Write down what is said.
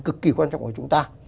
cực kỳ quan trọng của chúng ta